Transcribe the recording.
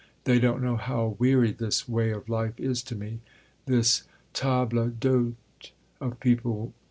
They don't know how weary this way of life is to me this table d'hôte of people....